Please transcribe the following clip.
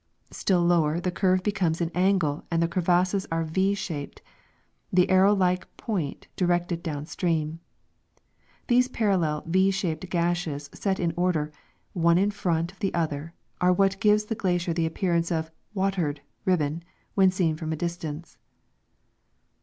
Still lower the curve becomes an angle and the crevasses are V shaped, the arrow like point directed down stream. These parallel V shaped gashes set in order, one in ft ont of the other, are what gives the glacier the appearance of " watered " ribbon when seen from a distance.